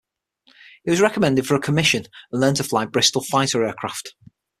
He was recommended for a commission and learned to fly Bristol Fighter aircraft.